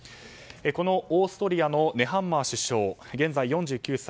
このオーストリアのネハンマー首相は現在４９歳。